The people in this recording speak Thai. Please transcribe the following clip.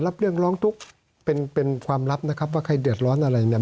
รับเรื่องร้องทุกข์เป็นเป็นความลับนะครับว่าใครเดือดร้อนอะไรเนี่ย